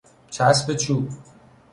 چسب چوب